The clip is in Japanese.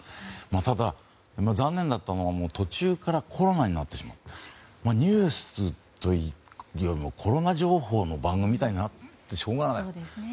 ただ、残念だったのは途中からコロナになってしまってニュースというよりもコロナ情報の番組みたいになってしょうがない。